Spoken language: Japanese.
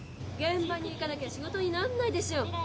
現場に行かなきゃ仕事になんないでしょ。